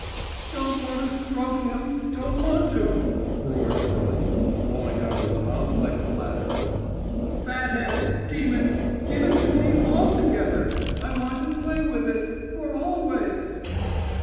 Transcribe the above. "Don't want to stroke him, don't want to," roared Trilly, blowing out his mouth like a bladder. "Fat heads! Demons! Give it to me altogether! I want to play with it.... For always."